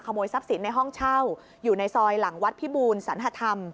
ขโมยทรัพย์สินในห้องเช่าอยู่ในซอยหลังวัดพิบูลสันหธรรม